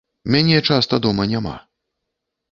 Мяне часта дома няма.